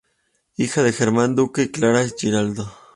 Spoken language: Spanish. Hija de Germán Duque y Clara Giraldo.